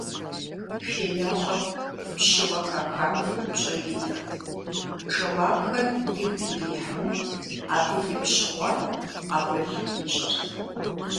ХеящӀэм пщыуэ хахам упщӀэ иритырт, жэуапхэр игу ирихьмэ, абы и пщыгъуэр къэбыл ищӀырт.